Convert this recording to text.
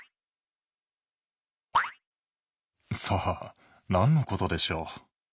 さあ何のことでしょう。